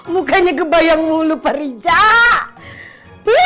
mukanya kebayang mulu pari jatuh